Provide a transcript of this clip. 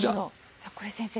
さあこれ先生